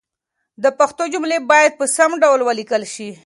د پښتو جملې باید په سم ډول ولیکل شي.